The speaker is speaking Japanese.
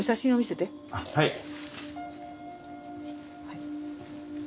はい。